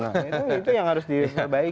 nah itu yang harus diperbaiki